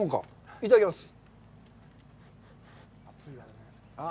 いただきます！